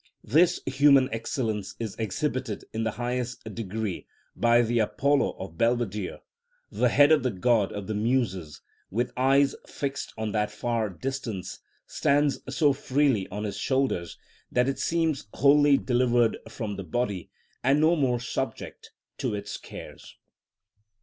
This human excellence is exhibited in the highest degree by the Apollo of Belvedere; the head of the god of the Muses, with eyes fixed on the far distance, stands so freely on his shoulders that it seems wholly delivered from the body, and no more subject to its cares.